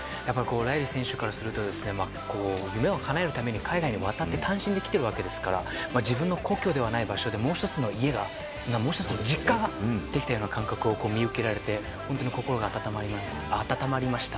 ライリー選手からすると夢をかなえるために海外へ渡って単身で来ているわけですから自分の故郷ではない場所でもう１つの家が実家ができたような感覚を見受けられて本当に心が温まりました。